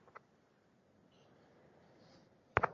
মাফ করবেন নানা, মিশন টা পুরোপুরি সফল হয় নি।